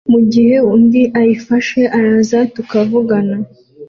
mugihe undi ayifashe araza tukavugana